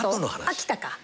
秋田か？